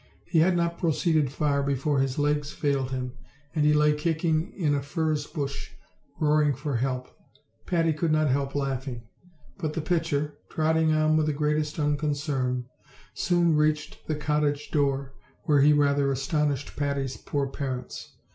He had not proceeded far before his legs failed him, and he lay kicking in a furze bush, roaring for help. Patty could not help laughing, but tho pitcher, trotting on with the greatest unconcern, soon reached the cottage door, where he rather astonished Patty's poor parents.